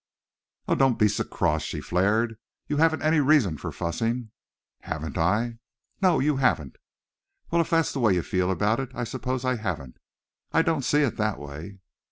"Oh, don't be so cross!" she flared. "You haven't any reason for fussing." "Haven't I?" "No, you haven't." "Well if that's the way you feel about it I suppose I haven't. I don't see it that way."